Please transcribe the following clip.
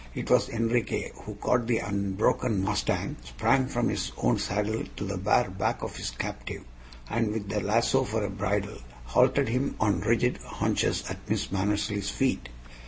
It was Enriquez who caught the unbroken mustang, sprang from his own saddle to the bare back of his captive, and with the lasso for a bridle, halted him on rigid haunches at Miss Mannersley's feet.